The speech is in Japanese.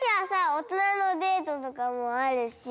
おとなのデートとかもあるし。